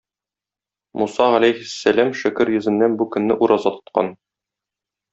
Муса галәйһиссәлам шөкер йөзеннән бу көнне ураза тоткан.